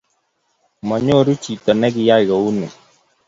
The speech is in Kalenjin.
mwonyoru chito ne keyai kouni.